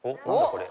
これ。